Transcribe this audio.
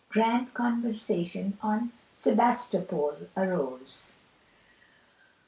GRAND CONVERSATION ON SEBASTOPOL AROSE!